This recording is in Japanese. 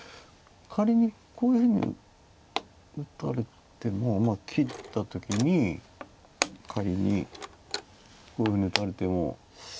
仮にこういうふうに打たれてもまあ切った時に仮にこういうふうに打たれても。